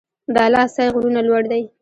د اله سای غرونه لوړ دي